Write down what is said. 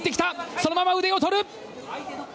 そのまま腕をとる！